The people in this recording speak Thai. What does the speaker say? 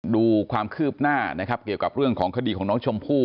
ดูความคืบหน้านะครับเกี่ยวกับเรื่องของคดีของน้องชมพู่